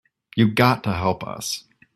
You got to help us.